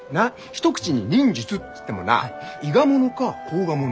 一口に忍術っつってもな伊賀者か甲賀者